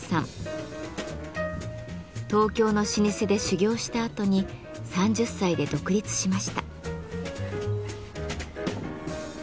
東京の老舗で修業したあとに３０歳で独立しました。